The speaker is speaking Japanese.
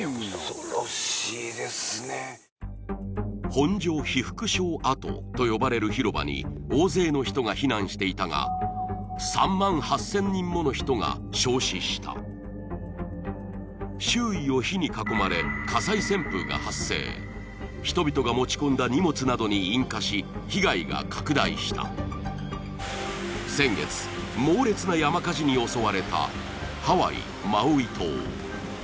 本所被服廠跡と呼ばれる広場に大勢の人が避難していたが周囲を火に囲まれ火災旋風が発生人々が持ち込んだ荷物などに引火し被害が拡大した先月猛烈な山火事に襲われたハワイ・マウイ島